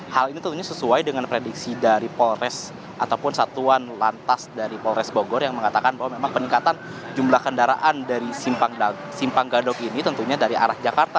hal ini tentunya sesuai dengan prediksi dari polres ataupun satuan lantas dari polres bogor yang mengatakan bahwa memang peningkatan jumlah kendaraan dari simpang gadok ini tentunya dari arah jakarta